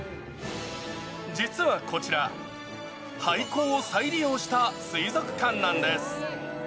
実はこちら、廃校を再利用した水族館なんです。